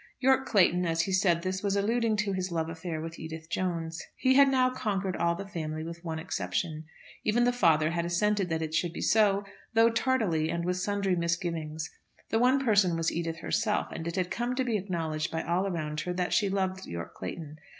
Yorke Clayton, as he said this, was alluding to his love affair with Edith Jones. He had now conquered all the family with one exception. Even the father had assented that it should be so, though tardily and with sundry misgivings. The one person was Edith herself, and it had come to be acknowledged by all around her that she loved Yorke Clayton.